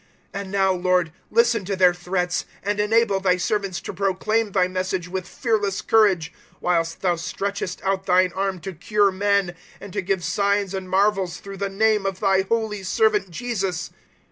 004:029 And now, Lord, listen to their threats, and enable Thy servants to proclaim Thy Message with fearless courage, 004:030 whilst Thou stretchest out Thine arm to cure men, and to give signs and marvels through the name of Thy holy Servant Jesus."